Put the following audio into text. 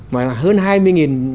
mà hơn hai mươi